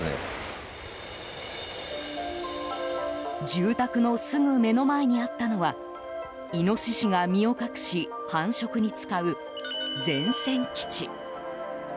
住宅のすぐ目の前にあったのはイノシシが身を隠し繁殖に使う前線基地。